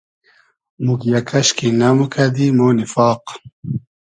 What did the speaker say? موگیۂ کئشکی نئموکئدی مۉ نیفاق